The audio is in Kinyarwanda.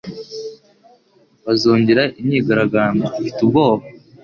Bazongera imyigaragambyo?" "Mfite ubwoba."